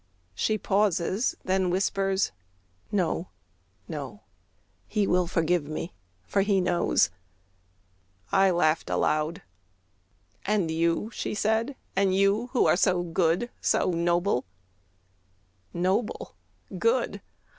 She pauses: then whispers: "No, no, He will forgive me, for He knows!" I laughed aloud: "And you," she said, "and you, Who are so good, so noble" ... "Noble? Good?"